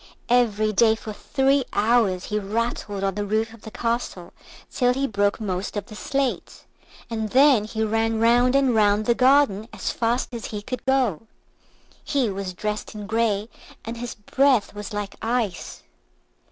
Every day for three hours he rattled on the roof of the castle till he broke most of the slates, and then he ran round and round the garden as fast as he could go. He was dressed in grey, and his breath was like ice.